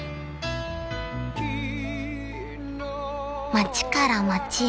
［町から町へ］